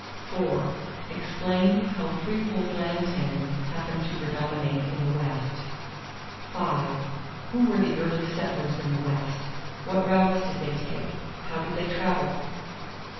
4. Explain how freehold land tenure happened to predominate in the West. 5. Who were the early settlers in the West? What routes did they take? How did they travel?